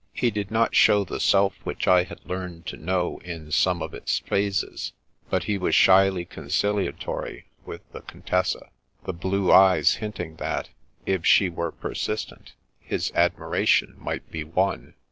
He did not show the self which I had learned to know in some of its phases, but he was shyly conciliatory with the Contessa, the blue eyes hinting that, if she were persistent, his admiration might be won.